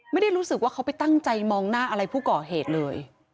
ไม่ได้รู้สึกว่าเขาไปตั้งใจมองหน้าอะไรผู้ก่อเหตุเลย